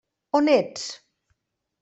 On ets?